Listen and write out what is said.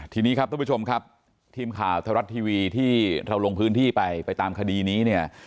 ทีนี้ครับทุกผู้ชมครับทีมข่าวไทยรัฐทีวีที่เราลงพื้นที่ไปไปตามคดีนี้เนี่ย